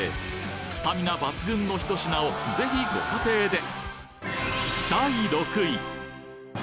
スタミナ抜群の一品をぜひご家庭で！